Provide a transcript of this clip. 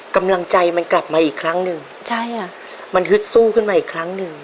กำลังใจมันกลับมาอีกครั้งหนึ่งใช่ค่ะมันฮึดสู้ขึ้นมาอีกครั้งหนึ่ง